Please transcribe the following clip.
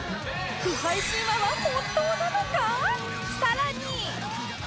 不敗神話は本当なのか？